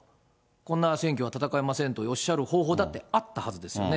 こんな選挙は戦えませんとおっしゃる方法だって、あったはずですよね。